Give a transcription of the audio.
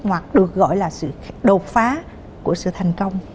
hoặc được gọi là sự đột phá của sự thành công